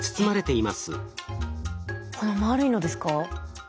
この丸いのですか？